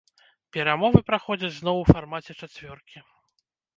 Перамовы праходзяць зноў у фармаце чацвёркі.